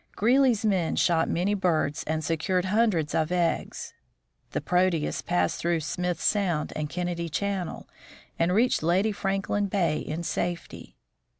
Greely's men shot many birds and secured hundreds of eggs. The Proteus passed through Smith sound and Kennedy channel, and reached Lady Franklin bay in safety.